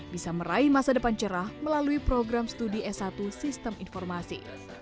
bisa meraih masa depan cerah melalui program studi s satu sistem informasi